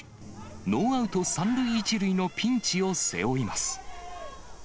ノーアウト３塁１塁のピンチを背負います。